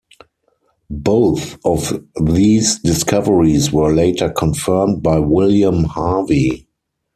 Both of these discoveries were later confirmed by William Harvey.